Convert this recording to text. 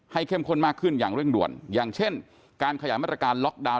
เข้มข้นมากขึ้นอย่างเร่งด่วนอย่างเช่นการขยายมาตรการล็อกดาวน